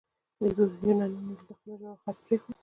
یونانیانو دلته خپله ژبه او خط پریښود